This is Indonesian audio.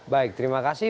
baik terima kasih